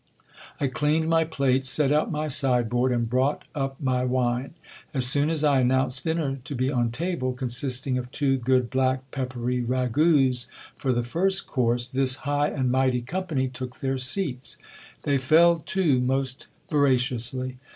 I cleaned my plate, set out my sideboard, and brought up my wine. As soon as I announced dinner to be on table, consisting of two good black pep pery ragouts for the first course, this high and mighty company took their seats. They fell too most voraciously.